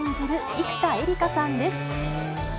生田絵梨花さんです。